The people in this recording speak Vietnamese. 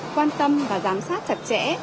quan tâm và giám sát chặt chẽ